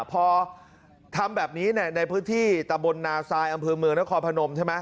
พอทำแบบนี้ในพื้นที่ตะบลนาซายอำเภอเมืองนครพนมใช่ไหม